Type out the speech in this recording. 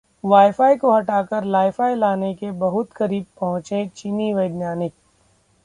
WiFi को हटाकर LiFi लाने के बहुत करीब पहुंचे चीनी वैज्ञानिक